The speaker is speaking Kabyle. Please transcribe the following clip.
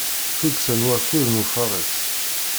Tuddsa n wakud n ufares.